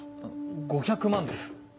５００万です。